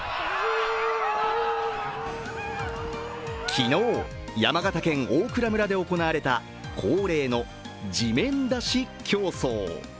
昨日、山形県大蔵村で行われた恒例の地面出し競争。